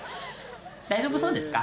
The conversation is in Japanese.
大丈夫そうですか？